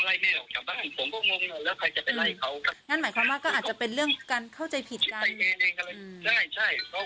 เรื่องการเข้าใจผิดคละ